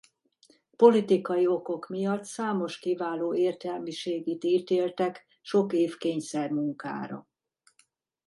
Politikai okok miatt számos kiváló értelmiségit ítéltek sok év kényszermunkára.